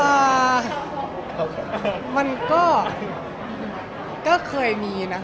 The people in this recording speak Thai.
อ่ามันก็เคยมีนะ